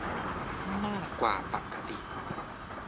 มากกว่าปกติ